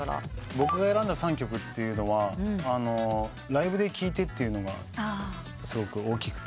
僕が選んだ３曲というのはライブで聴いてというのがすごく大きくて。